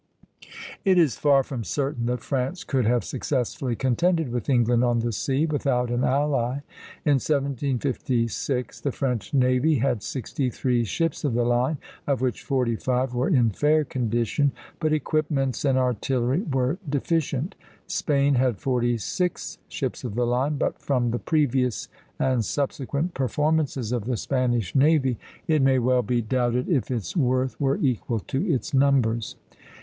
It is far from certain that France could have successfully contended with England on the sea, without an ally. In 1756 the French navy had sixty three ships of the line, of which forty five were in fair condition; but equipments and artillery were deficient. Spain had forty six ships of the line; but from the previous and subsequent performances of the Spanish navy, it may well be doubted if its worth were equal to its numbers.